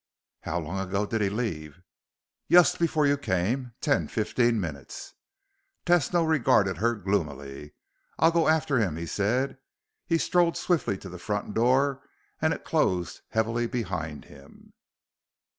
"How long ago did he leave?" "Yust before you came. Ten, fifteen minutes." Tesno regarded her gloomily. "I'll go after him," he said. He strode swiftly to the front door, and it closed heavily behind him.